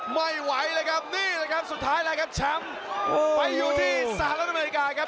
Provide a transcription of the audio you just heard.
ไม่ไหวเลยครับนี่แหละครับสุดท้ายแล้วครับแชมป์ไปอยู่ที่สหรัฐอเมริกาครับ